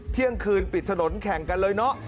เที่ยงคืนปิดถนนแข่งกันเลยเนอะ